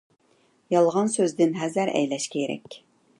يالغان سۆزدىن ھەزەر ئەيلەش كېرەك.